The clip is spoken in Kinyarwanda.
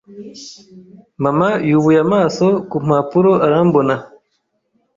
Mama yubuye amaso ku mpapuro, arambona.